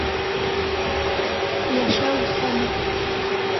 ЙӘШӘҮ СӘМЕ